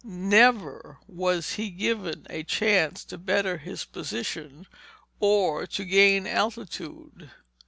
Never was he given a chance to better his position or to gain altitude.